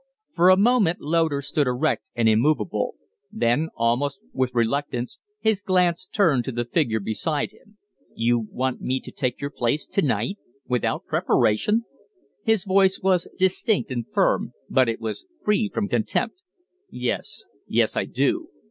For a moment Loder stood erect and immovable then, almost with reluctance, his glance turned to the figure beside him. "You want me to take your place to night without preparation?" His voice was distinct and firm, but it was free from contempt. "Yes; yes, I do."